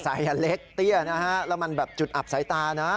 มอเตอร์ไซค์เล็กเตี้ยนะฮะแล้วมันแบบจุดอับสายตานะ